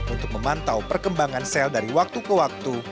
untuk memantau perkembangan sel dari waktu ke waktu